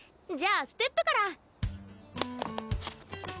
じゃあステップから。